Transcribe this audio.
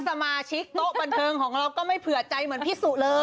สมาชิกโต๊ะบันเทิงของเราก็ไม่เผื่อใจเหมือนพี่สุเลย